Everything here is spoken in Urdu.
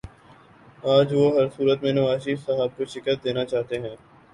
آج وہ ہر صورت میں نوازشریف صاحب کو شکست دینا چاہتے ہیں